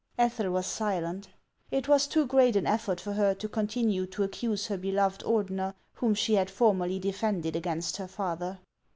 Ethel was silent. It was too great an effort for her to continue to accuse her beloved Ordener, whom she had formerly defended against her father.